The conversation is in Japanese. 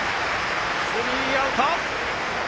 スリーアウト。